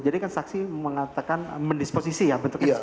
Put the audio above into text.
jadi kan saksi mengatakan mendisposisi ya bentuknya